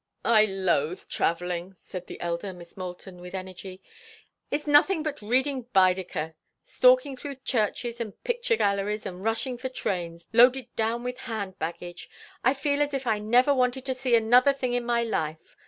"I loathe travelling," said the elder Miss Moulton, with energy. "It's nothing but reading Baedeker, stalking through churches and picture galleries, and rushing for trains, loaded down with hand baggage. I feel as if I never wanted to see another thing in my life.